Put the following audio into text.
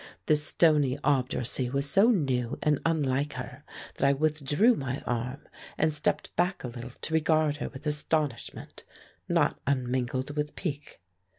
This stony obduracy was so new and unlike her that I withdrew my arm and stepped back a little to regard her with astonishment, not unmingled with pique.